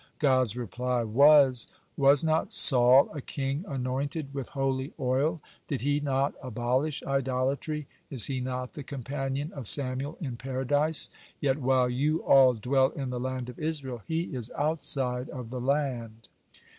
God's reply was: "Was not Saul a king anointed with holy oil, did he not abolish idolatry, is he not the companion of Samuel in Paradise? Yet, while you all dwell in the land of Israel, he is 'outside of the land.'"